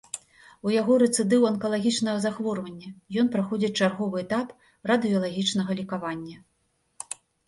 У яго рэцыдыў анкалагічнага захворвання і ён праходзіць чарговы этап радыелагічнага лекавання.